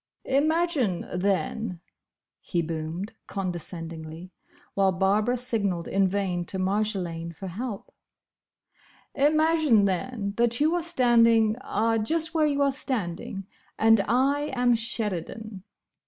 "Imagine, then," he boomed, condescendingly, while Barbara signalled in vain to Marjolaine for help, "Imagine, then, that you are standing—ah—just where you are standing; and I am Sheridan."